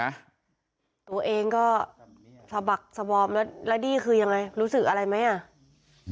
ตัวเองก็สะบักสะบอบแล้วดี้คือยังไงรู้สึกอะไรไหม